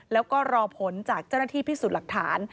แล้วก็รอผลจากเจ้าหน้าที่พิสูจน์หลักฐาน